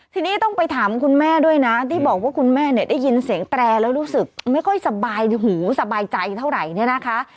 ทีนี้ต้องไปถามคุณแม่ด้วยนะที่บอกว่าคุณแม่เนี่ยได้ยินเสียงแตรแล้วรู้สึกไม่ค่อยสบายหูสบายใจเท่าไหร่เนี่ยนะคะ